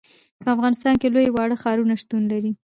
په افغانستان کې لوی او واړه ښارونه شتون لري.